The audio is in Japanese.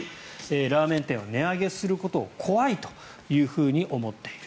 ラーメン店は値上げすることを怖いと思っている。